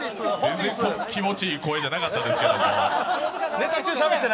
気持ちいい声じゃなかったんですけど。